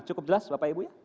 cukup jelas bapak ibu ya